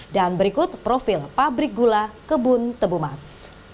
dan berikut profil pabrik gula kebun tebumas